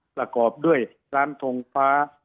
ประกอบด้วยร้านทงฟ้า